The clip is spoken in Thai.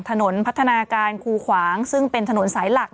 ถนนพัฒนาการคูขวางซึ่งเป็นถนนสายหลัก